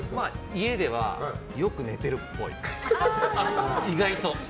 家ではよく寝てるっぽい意外と。